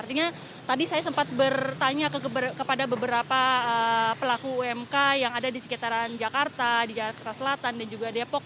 artinya tadi saya sempat bertanya kepada beberapa pelaku umk yang ada di sekitaran jakarta di jakarta selatan dan juga depok